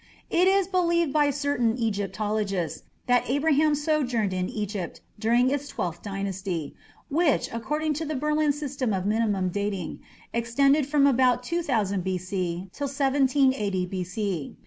It is believed by certain Egyptologists that Abraham sojourned in Egypt during its Twelfth Dynasty, which, according to the Berlin system of minimum dating, extended from about 2000 B.C. till 1780 B.C.